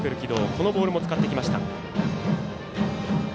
このボールも使ってきました。